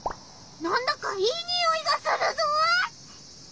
なんだかいいにおいがするぞ！